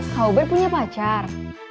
kak ubed punya pacar